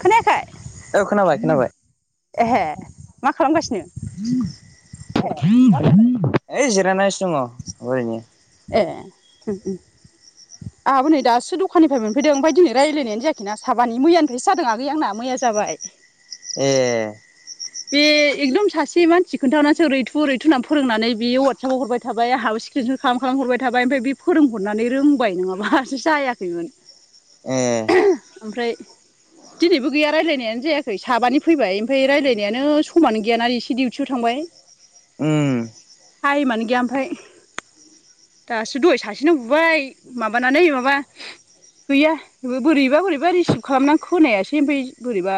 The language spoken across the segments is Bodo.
खोनायाखै खोनाबाय खोनाबाय। एहे मा खालामगासिनो? जिरायनानैस दङ ओरैनो। ए उम उम। आहाबो नै दासो दखाननिफ्राय मोनफैदों ओमफ्राय दिनै रायलायनाय जायाखैना साबानि मैयानिफ्रायसो जादों आगै आंना मैया जाबाय। एह। बे एकदम सासे मानसि खोनथा हदनानसो ओरैथु ओरैथु होननानै फोरोंनानै बेयो वाटसापाव हरबाय थाबाय आहा स्क्रिन सथ खालाम खालाम हरबाय थाबाय ओमफ्राय बे फोरोंहरनानै रोंबाय नङाबा जायाखैमोन। ए ओमफ्राय दिनैबो गैया रायलायनायानो जायाखै साबानि फैबाय ओमफाय रायलाय नायानो समानो गैया ना इसो डिउथियाव थांबाय। उम थाइमानो गैया ओफाय। दासो दहाय सासेनाव बुबाय माबानानै माबा गैया बोरैबा बोरैबा रिसिभ खालामनानै खोनायासै ओमफाय बोरैबा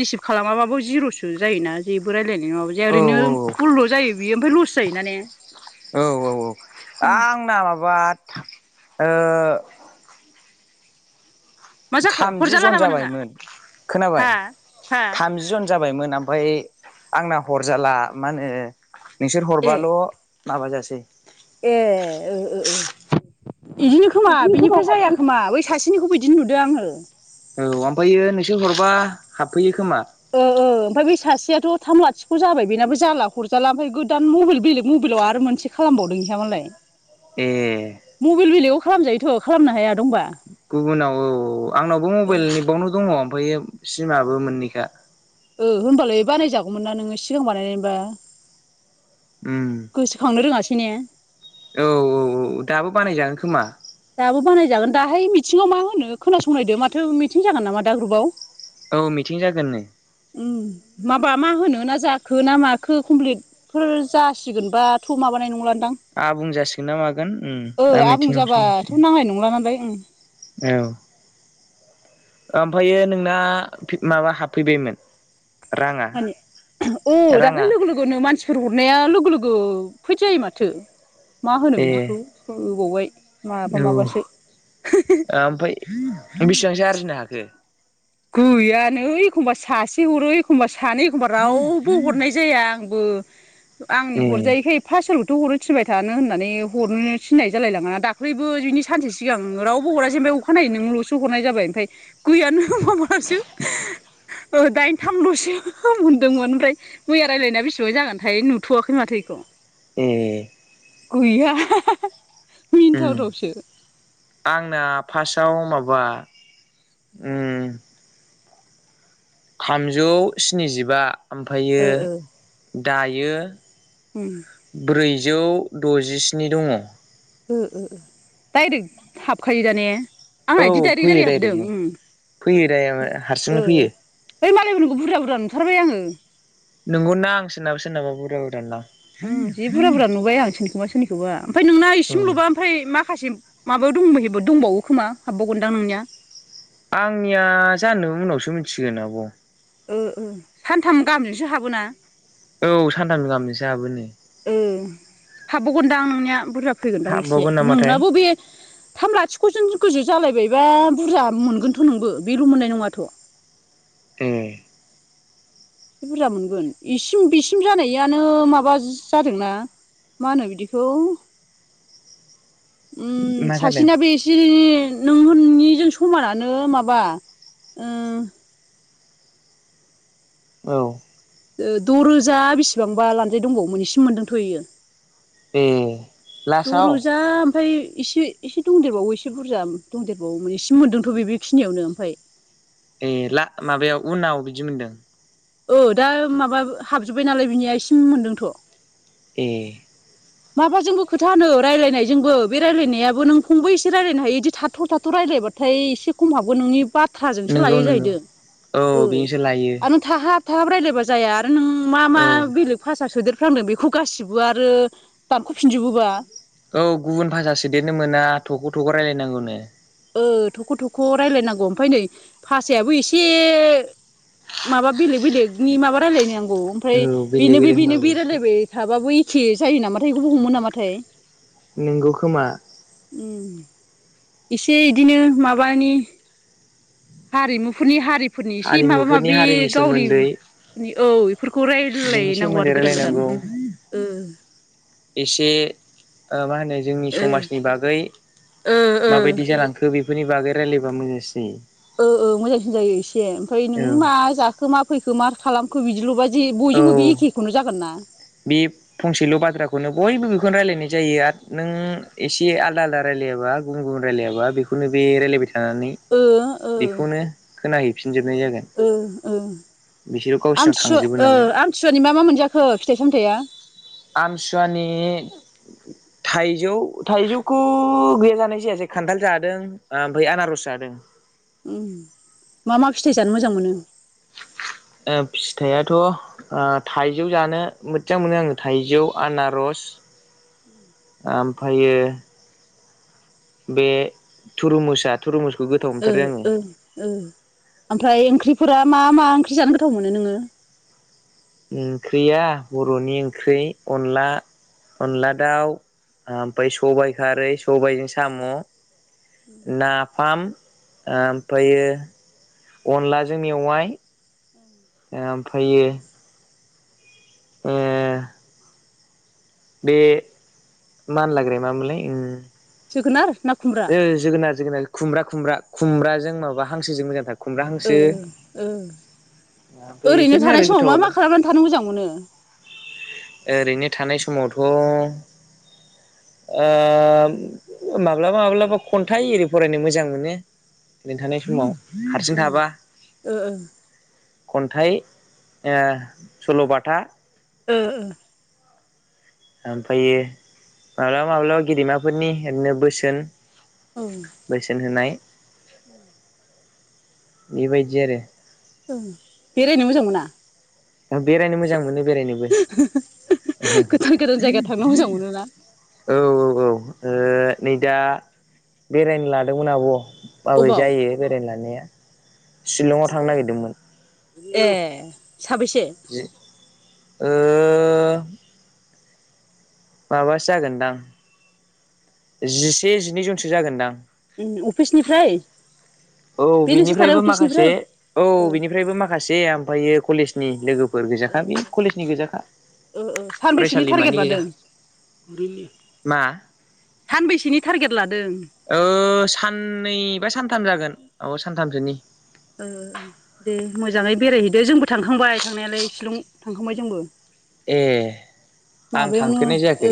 रिसिभ खालामाबाबो जिर'सो जायोना जेबो रायलायनाय माबा जाया औ ओरैनो फुलल' जायो बियो ओमफाय लस जायोना ने? औ औ औ आंना माबा ओ मा जाखो थामजि हरजाला जन नामा नोंना जाबायमोन, खोनाबाय हा हा थामजि जन जाबायमोन। आमफाय आंना हरजाला मा होनो नोंसोर ए हरबाल' माबाजासै। ए ओ ओ ओ इदिनो खोमा बिनिफ्राय जाया खोमा, बै सासेनिखौबो इदिनो नुदो आङो। औ ओमफायो नोंसोर हरबा हाबफैयो। खोमा ओ ओ ओमफाय बै सासेया थ' थाम लाथिख' जाबाय बेनाबो जाला हरजाला ओमफाय गोदान मबेल बेलेग मबेलाव आरो मोनसे खालामबावदों इहा मालाय। ए। बेल बेलेगाव खालामजायोथ' खालामनो हाया दंबा। गुबुनाव औ औ आंनावबो ओ मबेल नैबावनो दङ ओमफायो सिमाबो मोननैखा। ओ होमबालाय बानायजागौमोन ना नोङो सिगां बानायनाय मोनबा। उम। औ औ औ दाबो बानायजागोन खोमा। दाबो बानायजागोन दाहाय मिथिङाव मा होनो खोनासंनायदो माथो मिथिं जागोन नामा दा ग्रुबाव। औ मिटिं जागोननो। माबा मा होनो ना जाखो ना माखो कमप्लिटफोर जासिगोनबाथ' माबानाय नंला आंबुं जासिगोन ना मागोन उम। दा मिथिङासो थ' नांनाय नंला नालाय ओं। औ। ओमफायो नोंना माबा हाबफैबायमोन? राङा माने ओ दाख्लै राङा लोगो लोगोनो मानसिफोर हर नाया लोगो लोगो फैद जायो माथो। मा होनो ए बिदिखौ होबावबाय माबा माबासो। ओमफाय बिसिबांसो आरजिनो हाखो? गैयानो एखमबा सासे हरो एखमबा सानै एखमबा रावबो हरनाय जाया। आंबो आंनि ए हरजायैखाय एफ्फा सोर [unintelligible] थो हरनो थिनबाय थानो होननानै हरनो थिननाय जालायलाङाना। दाख्लैबो बिनि सानसे सिगां रावबो हरासै ओमफाय अखानायै नोंल'सो हरनाय जाबाय। ओमफाय गैयानो माबासो ओ दाइनथामल'सो मोनदोंमोन ओमफ्राय मैया रायज्लायनाया बेसेबां जागोनथाय नुथ'वाखै माथो। इखौ। एह। गैया उम मिनिथावथावसो। आंना फासाव माबा उम थामजौ स्निजिबा। ओमफायो ओ ओ दायो ब्रैजौ द'जिस्नि दङ। ओ ओ डाइरेक्ट हाबखायो दा ने? औ आंना इदि दाइरेक फैयो दाइरेक हाबदों। डाइरेक्टनो उम। फैयो दा हारसिंनो ओ फैयो है मालायफोरनिखौ बुरजा बुरजा नुथारबाय आङो। नंगौ ना आं सोरनाबा सोरनाबा बुरजा बुरजा ना उम जिबुरजा बुरजा नुबाय आं सोरनिखौबा सोरनिखौबा ओमफ्राय नोंना इसिमल'बा ओमफ्राय माखासे माबा दंबहेबो दंबावो खोमा हाबबावगोनदां नोंनिया आंनिया जानो उनावसो मिथिगोन आब' ओ ओ सानथाम गामजोंसो हाबोना औ सानथाम गाहामदोसो हाबोनो ए हाबावगोनदां नोंनिया बुरजा फैगोनदां एसे हाबबावगोन नामाथाय नोंनाबो बे थाम लाथिख' जों गोजौ जालायबायबा बुरजा मोनगोनथ' नोंबो बेल' मोननाय नङाथ' ए एसे बुरजा मोनगोन बेसिम बिसिम जानायानो माबा जादोंना मा होनो बिदिखौ उम मा जादों ससिनाबो एसे नोंनिजों समानानो माबा ओ औ ओ द' रोजा बेसेबांबा लान्जाय दंबावोमोन इसिम मोनदोंथ'यो ए लासआव ओमफ्राय एसे एसे दंदेरबावो एसे बुरजा दंदेरबावो मे एसेम मोन्दोंथ' बे बेखिनियावनो ओमफ्राय ए ला माबायाव उनाव बिदि मोनदों औ दा माबा हाबजोब्बाय नालाय बिनिया एसिम मोनदोंथ' ए माबाजोंबो खोथा होनो रायल्लायनायजोंबो बे रायजलायनायाबो नों फंबो एसे रायज्लायनो हायो बिदि थाथ' थाथ' रायलदों बाथाय एसे खम हाबगोन नोंनि बाथ्राजोंसो नंगौ लायो नंगौ जाहैदों औ बेजोंसो लायो आरो नों थाहाब थाहाब रायज्लायबा जाया आरो नों मा मा औ बेलेग भाषसा सोदेरफ्लांदों बेखौ गासिबो आरो दानख'फिनजोबोबा औ गुबुन भाष सो देरनो मोना थख' थख' रायजलायनांगौनो। ओ थख' थख' रायजलायनांगौ ओमफ्राय नै भासायाबो एसे माबा बेलेग बेलेगनि माबा रायजलायनो आं आबौ ओमफ्राय औ बेलेग बेनोबो बेलेग बेनो होनबाबो बेरायलायबाय थाबाबो एखे जायो नामाथायखौब हममोन नामाथाय। नंगौ खोमा। उम इसे इदिनो माबानि हारिमुफोरनि हारिफोरनि एसे माबा हारिमुफोरनि माबि हारिनि गावनि सोमोन्दै औ बेफोरखौ बिनि रायजलायनांगौ सोमोन्दै आरो गोदान गोदान रायलायनांगौ ओ एसे मा होनो- जोंनि ओ समाजनि बागै ओ ओ माबायदि जानांखो बेफोरनि बागै रायलायबा मोजांसिन जायो। औ औ मोजांसिन जायो एसे ओमफ्राय नों जायो मा जाखो मा फैखो मा खालामखो बिदिल' जि औ बयजोंबो एखेखौनो जागोन ना बे फंसेल' बाथ्राखौनो बयबो बेखौनो रायलायनाय जायो आरो नों एसे आलदा आलदा रायलाय राया गुबुन रायलायाबा बेखौनो बे रायलायबाय थायो। थानानै ओ ओ बेखौनो ओ खोनाहैफिनजोबनाय जागोन। ओ बिसोरो गावसिनाव थांजोबो आमथिसुवा नालाय आमथिसुवानि मा मा मोनजाखो फिथाइ सामथायाइया? आमसुवानि थाइजौ थाइजौखौ गैया जानाय जायासै खान्थाल जादों ओमफ्राय आनारस जादों। उ मा मा फिथायाइ जानो मोजां मोनो? फिथाइाथ' थाइजौ जानो मोजां मोनो आङो थाइजौ आनारस [inaudible] ओमफ्रायो बे थुरु मोसा थुरुमोस ओ ओओमफ्राय ओंख्रि फोरा मा मा ओंख्रि जानो गोथाव मोनो नोंङो? ओंख्रिया बर'नि ओंख्रि अनला अनला दाउ ओमफ्राय सबाइ खारै सबायजों साम'। नाफाम। ओमफ्रायो अनलाजों मेवाय। ओमफायो ओ बे मानलाग्राया मा मामोनलाय? जोगोनार ना खुमब्रा ओ ओ जोगोनार जोगोनार खुमब्रा खुमब्रा खुमब्राजों माबा हांसोजों मोजां थार। ओ ओ। ओमफ्राय ओरैनो बेफोरनो आरो थानाय समाव मा मा गोथावालाय खालामनानै थानो मोजां मोनो? ओरैनो थानाय समावथ' ओ माब्लाबा माब्लाबा खन्थाइ एरि फरायनो मोजां मोनो ओरैनो थानाय समाव। हारसिं ओं थाबा ओ ओं। खन्थाइ ओ सल'बाथा ओ ओ। ओमफ्रायो माब्लाबा माब्लाबा गेदेमाफोरनि ओरैनो बोसोन। औ औ बोसोन होनाय। बेबायदि आरो। ओं। बेरायनो मोजां मोना? बेरायनो मोजां मोनो। बेरायनोबो ओं। गोदान गोदान जायगा थांनो मोजां मोनोना औ औ औ ओ नै दा बेरायनो लादोंमोन आब' माबोरै अबाव जायो बेरायनो लांनाया शिलंआव थांनो नागिरदोंमोन। ए साबेसे? ओ माबासो जागोनदां जिसे जिनै जनसो जागोनदां। अफिसनिफ्राय? औ बे नोंसोर थानाय बेनिफ्रायबो माखासे अफिसनिफ्राय औ बेनिफ्रायबो माखासे ओमफायो कलेजनि लोगो ओ ओ ओ ओ ओ सानबैसोनि टारगेट फरायसालिमानि गोजा लादों? मा सानबैसेनि टारगेट लादों? ओ साननैबा सानथाम जागोन औ सानथामसोनि। ओ दे मोजाङै बेरायहैदो जोंबो थांखांबाय थांनायालाय सिलं थांखांबाय जोंबो। ए। आं माबायावनो थांफेरनाय ओ जायाखै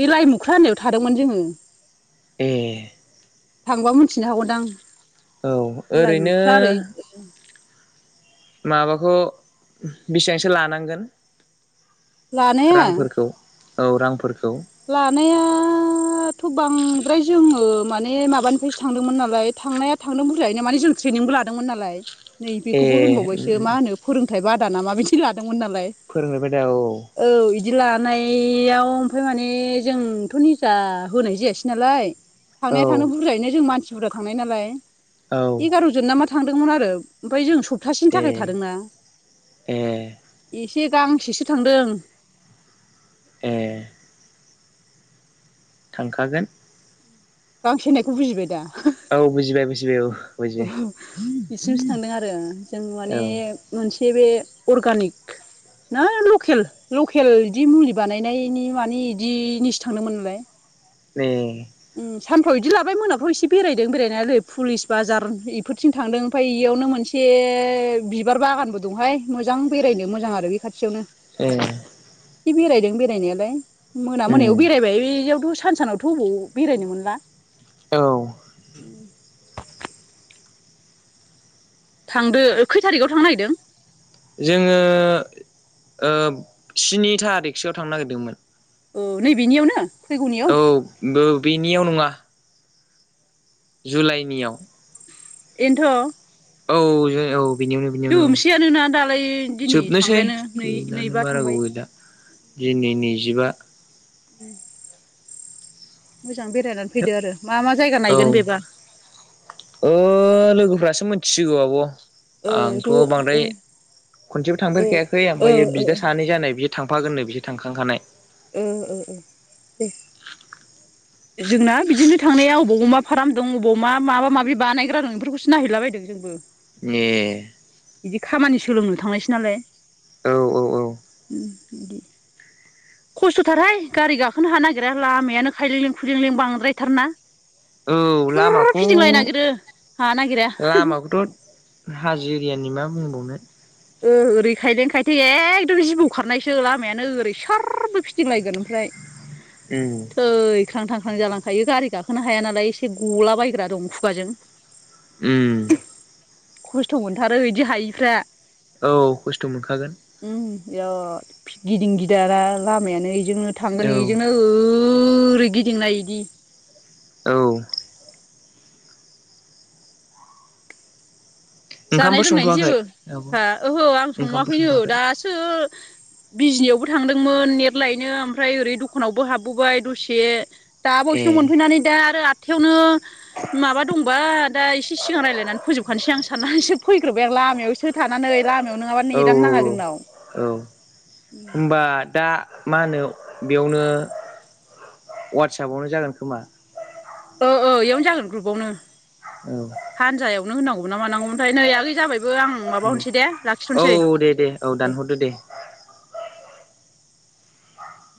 बे लाइमुख्रा होननायाव थादोंमोन जोङो। ए थांबा मोनथिनो हागौदां। औ ओरैनो लाइमुख्रा ओरै माबाखौ बेसेबांसो लानांगोन? लानाया? रांफोरखौ औ रांफोरखौ। लानायाथ' बांद्राय जोङो माने माबानिफ्रायसो थांदोंमोन नालाय। थांनाया थांदों बुरजायैनो माने जों ट्रेनिंबो लादोंमोन नालाय। नै ए बेखौबो होनबावबायसो मा होनो फोरोंथाइ बादाना मा बिदि लादों। मोन नालाय फोरोंनाय बायदा औ औ बिदि लानायाव ओमफ्राय माने जोंथ' मिथिया होनाय जायासै नालाय। औ थांनाया थांनो बुरजायैनो जों मानसि बुरजा थांनाय नालाय औ एगार'जन ना मा थांदोंमोन आरो ओमफ्राय जों सप्तासेनि ए थाखाय थादोंना। ए से गांसेसो थांदों। ए। थांखागोन। गांसे होननायखौ बुजिबाय दा? औ बुजिबाय बुजिबाय औ बुजिबाय बिसिमसो थांदों आरो जों माने औ मोनसे हेबे अर्गानिक ना लकेल लकेल इदि मुलि बानायनायनि मानि इदिनिसो थांदोंमोन नालाय। ए। उम सानफ्राव इदि लाबाय मोनाफ्राव इसे बेरायदों बेरायनानै आरै पुलिस बाजार इफोरथिं थांदों ओमफाय इयो बेयावनो मोनसे बिबार बागानबो दंहाय मोजां बेरायनो मोजां आरो बे खाथियावनो ए। एसे बेरायदों बेरायनायालाय मोना मोनायाव उम बेरायबाय बेयाव दसे सान सानावथ' अबाव बेरायनो मोनला औ। उम। थांदो खैथारिकआव थांनो नागेरदों? जोङो ओ स्निथारिकसोआव थांनो नागिरदोंमोन। अ नै बिनियावनो? औ बो-बेनियाव नङा जुलाइनियाव। एन्थ'। औ जे औ। बिनियावनो बिनियावनो औ, जोबसेयानोना दालाय दिनै जोबनोसै थांबायानो नै गैलानो नैबा बारा थांबाय गोबाव गैला। दिनै नैजिबा। उम [unintelligible] मोजां बेरायनानै फैदो आरो मा मा जायगा औ नायगोन बेबा? ओ लोगोफ्रासो मिथिसिगौ आब'। ओ ज' आंथ' ओ ओ बांद्राय खनसेबो थांदेरखायाखै ओ ओमफाय ओ बिदा सानै जानाय बि थांफागोननो बिसोर थांखांखानाय। ओ ओ ओ दे। जोंना बिदिनो थांनाया अबाव अमा फाराम दं अबाव मा माबा माबि बानायग्रा दं इफोरखौसो नायहैला बायदों जोंबो। ए। इदि खामानि सोलोंनो थांनायसो नालाय। औ औ औ। इदि खस्थ'थारहाय गारि गाखोनो हानो नागिरा लामायानो खायलेंलें खुइलेंलें बांद्रायथार ना। औ लामाखौ हानो नागिरा लामाखौथ' हाजो एरियानि मा बुंबावनो। ओ ओरै खायलें खायथें एखदम जिबौ खारनायसो लामायानो ओरै सोर बो फिदिंलायगोन ओमफ्राय। उम थै ख्रां ख्रां ख्रां जालांखायो गारि गाखोनो हाया नालाय एसे गलाबायायग्रा दं खुगाजों। उम। खस्थ' मोनथारो इदि हायिफ्रा। औ खस्थ' मोनखागोन उम इराद फि-गिदिं गिदारा लामायानो इजोंनो थांगोन औ इजोंनो ओ रै गिदिंनायदि इदि। औ। जानाय ओंखामबो लोंनायनि संथ'वाखै जेबो औ हा ओहो आं ओंखामफोर सङाखैनो संथ'वाखै दासो बिजिनियावबो थांदोंमोन नेथ लायनो ओमफ्राय ओरै दखानावबो हाबबोबाय दसे दा ए बावयैसोल' मोनफैनानै दा आरो आथ् थायावनो माबा दंबा दा इसे सिगां रायलायनानै फोजोबखानसै आं साननानैसो फैग्रोबाय लामायावसो थानानै लामायाव नोंङाबा औ नेदानो औ नाङा औ जोंनाव। औ होमबा दा। मा होनो बेयावनो वाटसापआवनो जागोन खोमा। औ ओ इयावनो जागोन ग्रुपावनो औ हानजायाव। नो होनांगौ मानांगौै थाय नै आगै जाबाय। बो आं माबाहनोसै दे औ लाखिथ'नोसै। दे दे औ दानहरदो दे